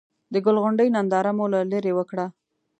د ګل غونډۍ ننداره مو له ليرې وکړه.